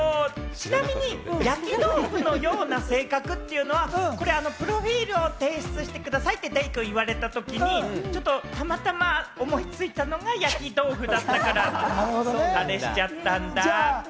ちなみに「焼き豆腐のような性格」っていうのはプロフィルを提出してくださいってデイくん言われた時にちょっとたまたま思いついたのが焼き豆腐だったから、あれしちゃったんだ。